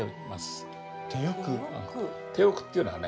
手浴っていうのはね